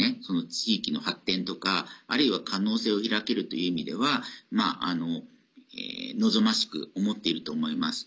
地域の発展とか、あるいは可能性を開けるという意味では望ましく思っていると思います。